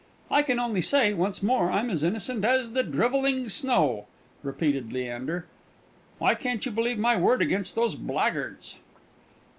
"I can only say, once more, I'm as innocent as the drivelling snow," repeated Leander. "Why can't you believe my word against those blackguards?"